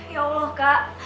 ya allah kak